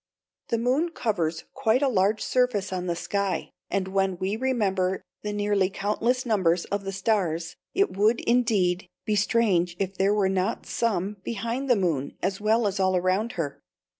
The moon covers quite a large surface on the sky, and when we remember the nearly countless numbers of the stars, it would, indeed, be strange if there were not some behind the moon as well as all around her.